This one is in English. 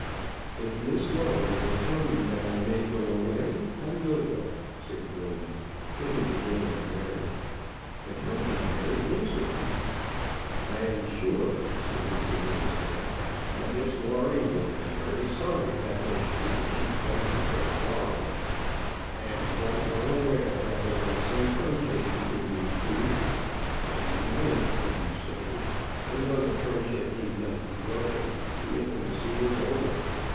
"If Miss Lawrie will tell me that I may go away, I will go," said Gordon, looking again at Mary; but how could Mary answer him? "I am sure," said Mr Whittlestaff, "that Miss Lawrie will be very sorry that there should be any ground for a quarrel. I am quite well aware that there was some friendship between you two. Then you went, as you say, and though the friendship need not be broken, the intimacy was over.